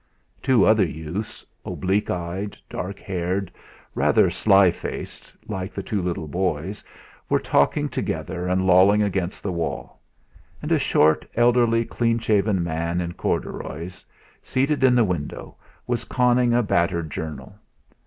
Two other youths, oblique eyed, dark haired, rather sly faced, like the two little boys, were talking together and lolling against the wall; and a short, elderly, clean shaven man in corduroys, seated in the window, was conning a battered journal.